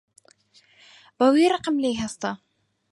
بە وەی ڕقم لێی هەستا